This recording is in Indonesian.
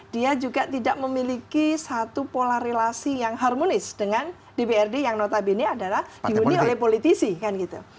dia juga tidak memiliki satu pola relasi yang harmonis dengan dprd yang notabene adalah dihuni oleh politisi kan gitu